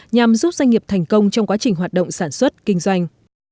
nhằm giúp doanh nghiệp thành công trong quá trình hoạt động sản xuất kinh doanh